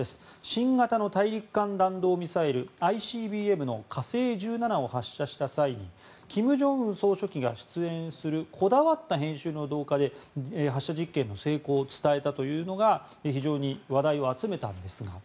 新型の大陸間弾道ミサイル・ＩＣＢＭの火星１７を発射した際に金正恩総書記が出演するこだわった編集の動画で発射実験の成功を伝えたというのが非常に話題を集めたんです。